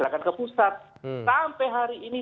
akan ke pusat sampai hari ini